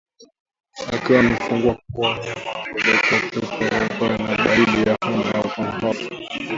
Akiwa amefungua pua mnyama huelekea upepo unakotokea ni dalili ya homa ya mapafu